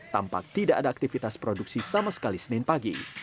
tampak tidak ada aktivitas produksi sama sekali senin pagi